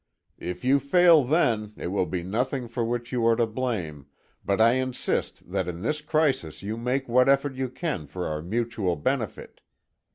If you fail then, it will be nothing for which you are to blame; but I insist that in this crisis you make what effort you can for our mutual benefit.